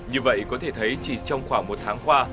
như vậy có thể thấy chỉ trong khoảng một tháng qua